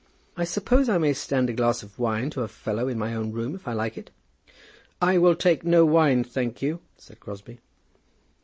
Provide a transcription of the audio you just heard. "I suppose I may stand a glass of wine to a fellow in my own room, if I like it." "I will take no wine, thank you," said Crosbie.